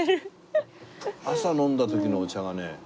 朝飲んだ時のお茶がね